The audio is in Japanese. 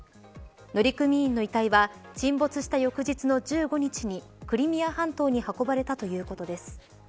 乗組員の遺体は沈没した翌日の１５日にクリミア半島に運ばれたということです。